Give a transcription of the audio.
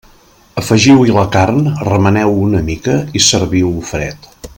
Afegiu-hi la carn, remeneu-ho una mica i serviu-ho fred.